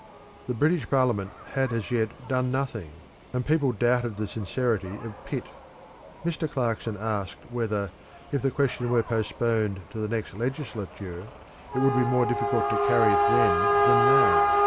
The British parliament had as yet done nothing, and people doubted the sincerity of Pitt. Mr. Clarkson asked whether, if the question were postponed to the next legislature, it would be more difficult to carry it then than now.